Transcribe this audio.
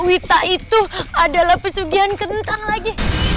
itu adalah pesugihan kentang lagi